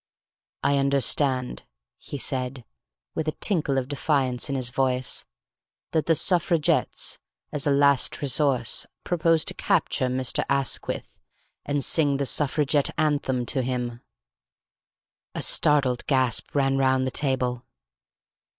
"I understand," he said, with a tinkle of defiance in his voice, "that the Suffragettes, as a last resource, propose to capture Mr. Asquith and sing the Suffragette Anthem to him." A startled gasp ran round the table.